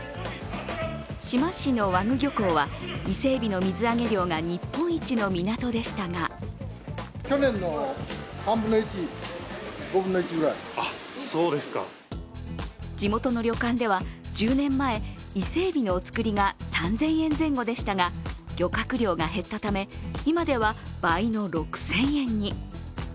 志摩市の和具漁港は伊勢えびの水揚げ量が日本一の港でしたが地元の旅館では、１０年前、伊勢えびのおつくりが３０００円前後でしたが、漁獲量が減ったため、今では倍の６０００円に。